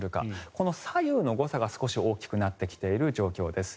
この左右の誤差が少し大きくなっている状況です。